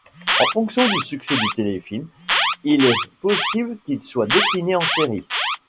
En fonction du succès du téléfilm, il est possible qu'il soit décliné en série.